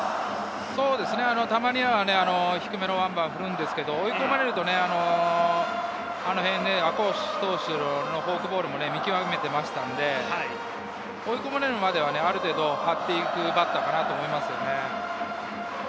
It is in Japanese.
たまには低めのワンバウンドを振るんですけれど、追い込まれると、赤星投手のフォークボールも見極めていましたので、追い込まれるまでは、ある程度、張っていくバッターだと思いますね。